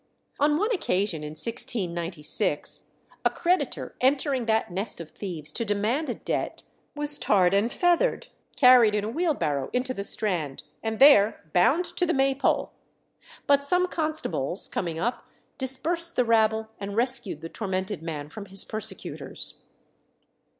On one occasion, in 1696, a creditor entering that nest of thieves to demand a debt, was tarred and feathered, carried in a wheelbarrow into the Strand, and there bound to the May pole; but some constables coming up dispersed the rabble and rescued the tormented man from his persecutors.